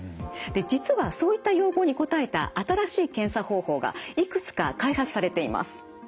で実はそういった要望に応えた新しい検査方法がいくつか開発されています。